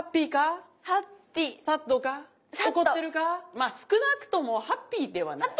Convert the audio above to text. まあ少なくともハッピーではない。